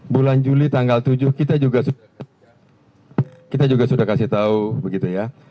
bulan juli tanggal tujuh kita juga sudah kasih tahu begitu ya